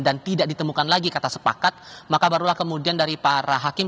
dan tidak ditemukan lagi kata sepakat maka barulah kemudian dari para hakim